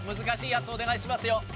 難しいやつお願いしますよ。